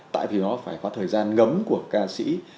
tại vì nó phải có thời gian ngấm của ca sĩ